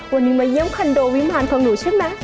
วันนี้มาเยี่ยมคันโดวิมานของหนู